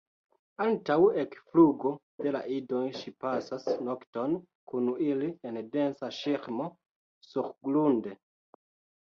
Antaŭ ekflugo de la idoj ŝi pasas nokton kun ili en densa ŝirmo surgrunde.